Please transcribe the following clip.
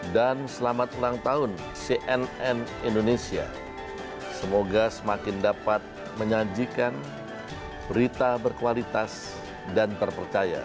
dan selamat ulang tahun cnn indonesia semoga semakin dapat menyajikan berita berkualitas dan terpercaya